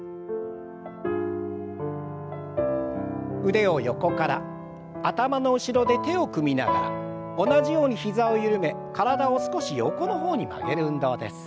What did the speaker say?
腕を横から頭の後ろで手を組みながら同じように膝を緩め体を少し横の方に曲げる運動です。